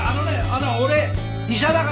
あの俺医者だから。